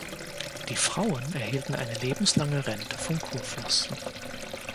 Die Frauen erhielten eine lebenslange Rente vom Kurfürsten.